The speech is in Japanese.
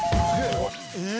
え！